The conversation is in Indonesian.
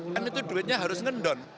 kan itu duitnya harus ngendon